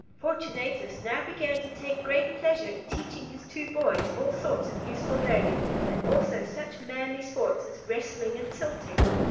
Fortunatus now began to take great pleasure in teaching his two boys all sorts of useful learning, and also such manly sports as wrestling and tilting.